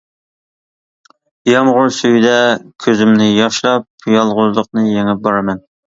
يامغۇر سۈيىدە كۆزۈمنى ياشلاپ، يالغۇزلۇقنى يېڭىپ بارىمەن.